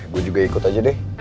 gue juga ikut aja deh